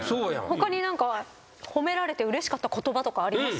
他に何か褒められてうれしかった言葉とかあります？